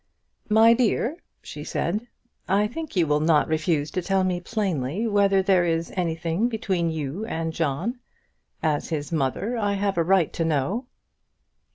"My dear," she said, "I think you will not refuse to tell me plainly whether there is anything between you and John. As his mother, I have a right to know?"